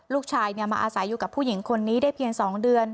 ลูกชายมาอาศัยอยู่กับผู้หญิงคนนี้ได้เพียง๒เดือน